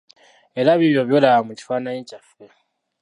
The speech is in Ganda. Era bibyo by'olaba mu kifaananyi kyaffe.